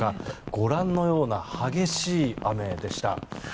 ご覧のような激しい雨でした。